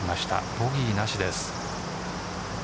ボギーなしです。